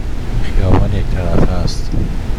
این خیابان یک طرفه است.